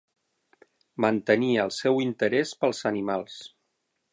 Mantenia el seu interès pels animals.